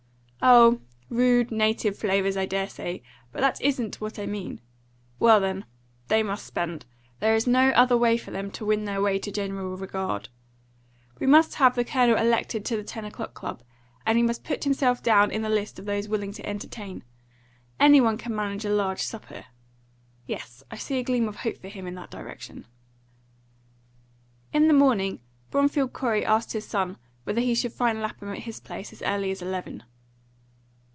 "Oh, rude, native flavours, I dare say. But that isn't what I mean. Well, then, they must spend. There is no other way for them to win their way to general regard. We must have the Colonel elected to the Ten O'clock Club, and he must put himself down in the list of those willing to entertain. Any one can manage a large supper. Yes, I see a gleam of hope for him in that direction." In the morning Bromfield Corey asked his son whether he should find Lapham at his place as early as eleven.